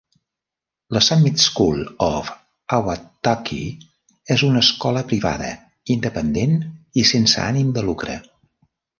La Summit School of Ahwatukee és una escola privada, independent i sense ànim de lucre.